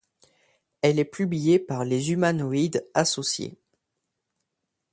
Elle est publiée par les Humanoïdes Associés.